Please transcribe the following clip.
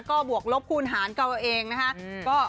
ก็บวกลบคูณหารเก่าเองนะคะ